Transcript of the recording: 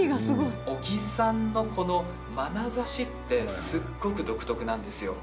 小木さんのこの、まなざしってすっごく独特なんですよ。